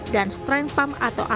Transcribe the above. dan strain pump atau alat pembangunan